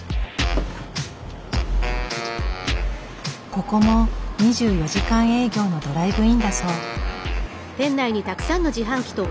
ここも２４時間営業のドライブインだそう。